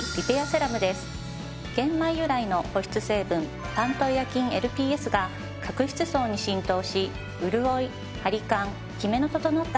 玄米由来の保湿成分パントエア菌ＬＰＳが角質層に浸透し潤いハリ感キメの整った肌へ導きます。